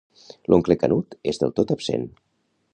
L'oncle Canut és del tot absent.